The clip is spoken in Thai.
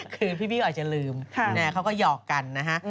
คือพี่บี้อาจจะลืมแอร์เขาก็หยอกกันนะฮะ